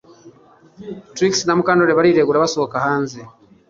Trix na Mukandoli bariregura basohoka hanze